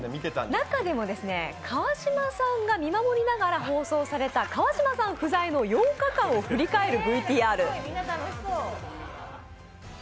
中でも川島さんが見守りながら放送された川島さん不在の８日間を振り返るＶＴＲ。